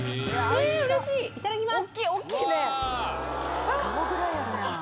いただきます！